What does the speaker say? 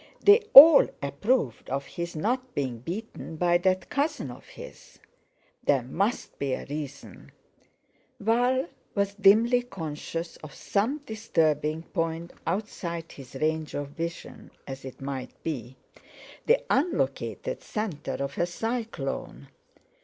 They all approved of his not being beaten by that cousin of his. There must be a reason! Val was dimly conscious of some disturbing point outside his range of vision; as it might be, the unlocated centre of a cyclone.